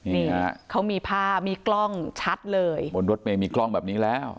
นี่ฮะเขามีภาพมีกล้องชัดเลยบนรถเมย์มีกล้องแบบนี้แล้ว